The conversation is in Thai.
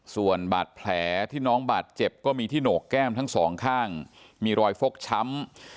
ส่วนบาดแผลที่น้องบาดเจ็บก็มีที่โหนกแก้มทั้งสองข้างมีรอยฟกช้ำ